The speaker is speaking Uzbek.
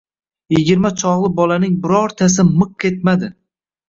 Yigirma chog‘li bolaning birortasi miq etmadi.